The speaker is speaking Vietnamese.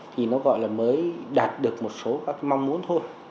thì nó gọi là mới đạt được một số các mong muốn thôi